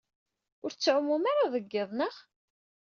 Ur tettɛumum ara deg yiḍ, naɣ?